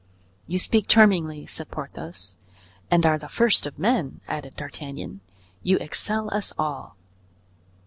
"You speak charmingly," said Porthos. "And are the first of men!" added D'Artagnan. "You excel us all."